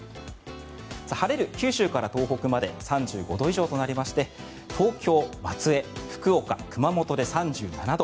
晴れる九州から東北まで３５度以上となりまして東京、松江、福岡、熊本で３７度。